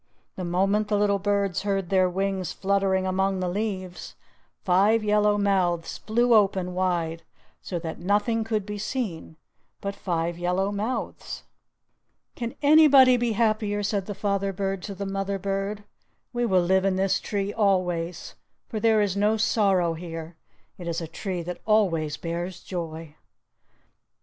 The moment the little birds heard their wings fluttering among the leaves, five yellow mouths flew open wide, so that nothing could be seen but five yellow mouths! "Can anybody be happier?" said the father bird to the mother bird. "We will live in this tree always, for there is no sorrow here. It is a tree that always bears joy."